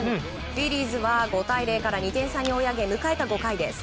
フィリーズは５対０から２点差に追い上げ迎えた５回です。